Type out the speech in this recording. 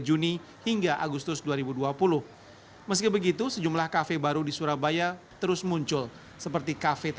juni hingga agustus dua ribu dua puluh meski begitu sejumlah kafe baru di surabaya terus muncul seperti kafe